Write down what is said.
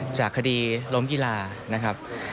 จากคดีล้มกีฬา